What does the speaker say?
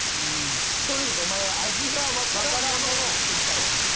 とにかくお前は味がわからんものをいってみたいんやな。